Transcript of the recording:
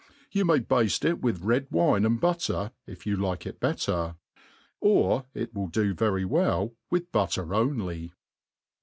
^You may ba(^ it with red wine and butter, if you like it better j or it will do very well with b^t* tcr only.